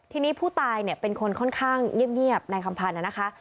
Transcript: ทีนี้ผู้ตายเนี่ยเป็นคนค่อนข้างเงียบนายคำพันธ์นะคะ